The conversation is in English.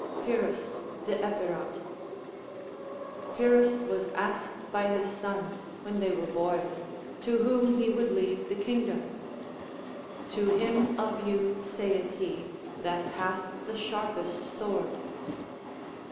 Pyrrhus the Epirot. Pyrrhus was asked by his sons, when they were boys, to Avhom he would leave the king dom. To him of you, saitli he, that hath the sharpest sword.